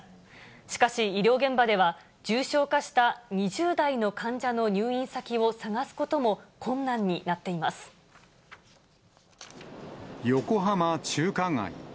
しかし、医療現場では重症化した２０代の患者の入院先を探すことも困難に横浜中華街。